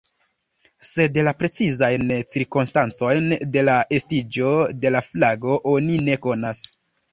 Sed la precizajn cirkonstancojn de la estiĝo de la flago oni ne konas.